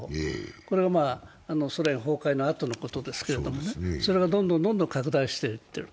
これはソ連崩壊のあとのことですけれども、それがどんどん拡大していっている。